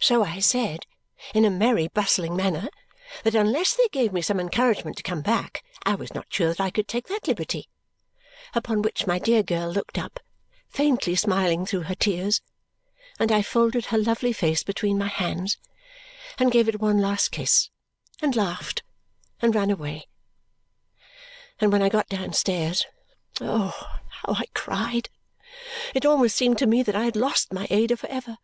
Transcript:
So I said (in a merry, bustling manner) that unless they gave me some encouragement to come back, I was not sure that I could take that liberty, upon which my dear girl looked up, faintly smiling through her tears, and I folded her lovely face between my hands, and gave it one last kiss, and laughed, and ran away. And when I got downstairs, oh, how I cried! It almost seemed to me that I had lost my Ada for ever.